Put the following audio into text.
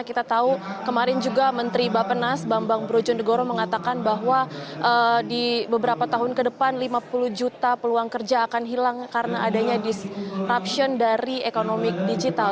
kita tahu kemarin juga menteri bapak nas bambang brojonegoro mengatakan bahwa di beberapa tahun ke depan lima puluh juta peluang kerja akan hilang karena adanya disruption dari ekonomi digital